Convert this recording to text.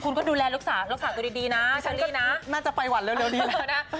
คุณก็ดูแลรักษาตัวดีนะฉันก็น่าจะไปหวั่นเร็วดีแล้วนะ